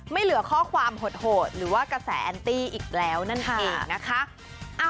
ไม่เหลือข้อความโหดหรือว่ากระแสแอนตี้อีกแล้วนั่นเองนะคะ